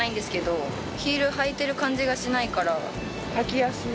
履きやすい。